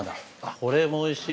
これもおいしい。